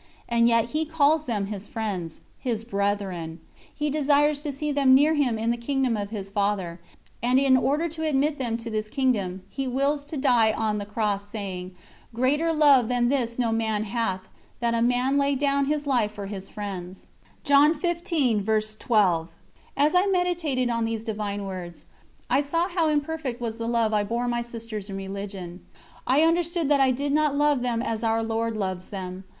And yet He calls them His Friends, His Brethren; He desires to see them near Him in the Kingdom of His Father, and in order to admit them to this Kingdom He wills to die on the Cross, saying: "Greater love than this no man hath, that a man lay down his life for his friends." As I meditated on these Divine words, I saw how imperfect was the love I bore my Sisters in religion. I understood that I did not love them as Our Lord loves them.